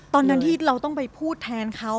ตอนนั้นที่เราต้องไปพูดแทนเขา